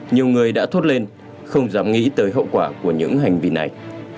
nhiều người đã thốt lên không dám nghĩ tới hậu quả của những hành vi này